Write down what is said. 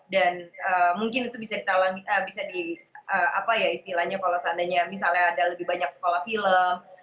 dan mungkin itu bisa di apa ya istilahnya kalau seandainya misalnya ada lebih banyak sekolah film